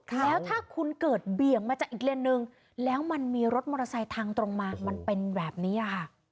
แล้วถ้าคุณเกิดเบี่ยงมาจากอีกเลนสนึงแล้วมันมีรถมอเตอร์ไซค์ทางตรงมามันเป็นแบบนี้ค่ะ